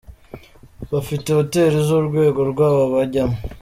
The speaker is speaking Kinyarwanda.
bafite hoteli z’urwego rwabo bajyamo.